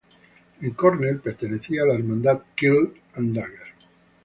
En Cornell, pertenecía a la hermandad Quill and Dagger.